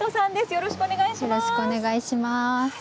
よろしくお願いします！